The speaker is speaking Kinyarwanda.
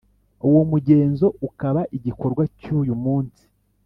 uwo mugenzo ukaba ugikorwa n’uyu munsi